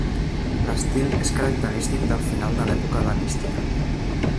L'estil és característic del final de l'època hel·lenística.